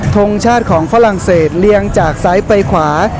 ทงชาติของฝรั่งเศสเรียงจากซ้ายไปขวา